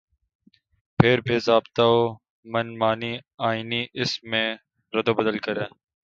پھر بےضابطہ ومن مانی آئینی اس میں ردوبدل کرکے